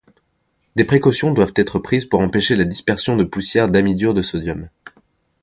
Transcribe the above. Des précautions doivent être prises pour empêcher la dispersion de poussière d'amidure de sodium.